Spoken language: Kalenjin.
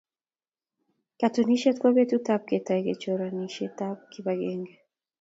Katunisyet ko betutab ketoi kechoran choranisyetab kibagenge.